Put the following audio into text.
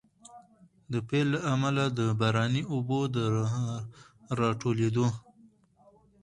د پيل له امله، د باراني اوبو د راټولېدو